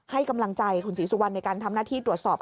ให้กำลังใจคุณศรีสุวรรณในการทำหน้าที่ตรวจสอบ